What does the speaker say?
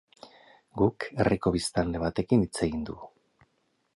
Guk, herriko biztanle batekin hitz egin dugu.